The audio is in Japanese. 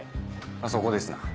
そこですな。